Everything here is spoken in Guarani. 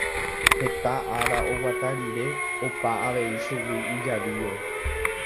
Heta ára oguata rire opa avei chugui ijavío.